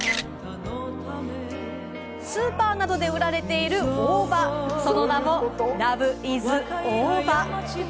スーパーなどで売られている大葉、その名も「らぶいず大葉」。